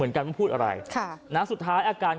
อืมที่นี่ดีไหมที่นี่ดีไหม